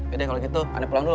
yaudah kalau gitu anda pulang dulu